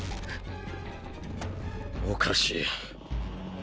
おかしい。